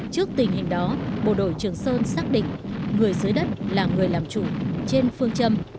trước tình hình đó bộ đội trường sơn xác định người dưới đất là người làm chủ trên phương châm